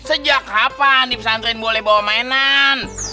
sejak kapan di pesan tren boleh bawa mainan